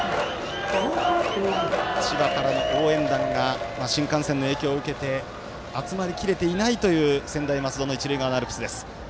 千葉からの応援団が新幹線の影響を受けて集まりきれていないという専大松戸の一塁側のアルプスです。